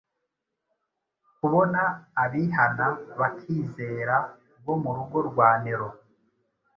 kubona abihana bakizera bo mu rugo rwa Nero.